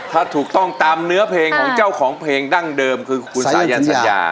ถ้าถูกต้องตามเนื้อเพลงของเจ้าของเพลงดั้งเดิมคือคุณสายันสัญญา